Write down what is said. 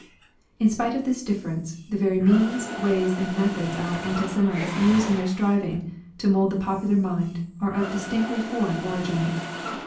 In spite of this difference, the very means, ways, and methods our anti Semites use in their striving to mould the popular mind are of distinctly foreign origin.